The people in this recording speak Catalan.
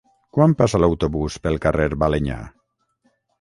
Quan passa l'autobús pel carrer Balenyà?